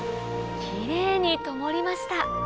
キレイにともりました